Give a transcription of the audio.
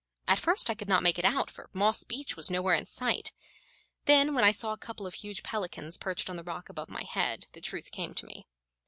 At first I could not make it out, for Moss Beach was nowhere in sight; then, when I saw a couple of huge pelicans perched on the rock above my head, the truth came to me.